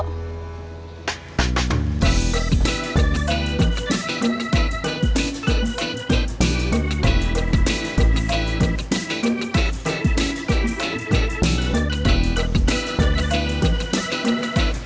neng mau main kemana